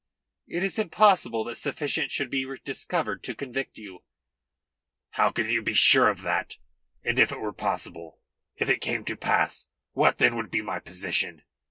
"It is impossible that sufficient should be discovered to convict you." "How can you be sure of that? And if it were possible, if it came to pass, what then would be my position?